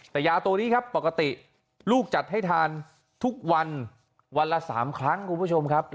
แต่ยาตัวนี้ครับปกติลูกจัดให้ทานทุกวันวันละ๓ครั้งคุณผู้ชมครับ